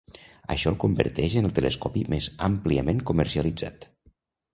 Això el converteix en el telescopi més àmpliament comercialitzat.